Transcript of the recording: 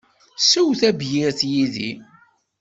Sew tabyirt yid-i!